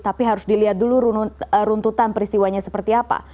tapi harus dilihat dulu runtutan peristiwanya seperti apa